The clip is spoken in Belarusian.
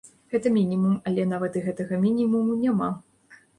Гэта мінімум, але нават і гэтага мінімуму няма.